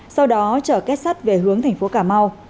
sau đó chở kết sắt về hướng thành phố cà mau